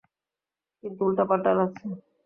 কিছু উল্টাপাল্টা লাগছে।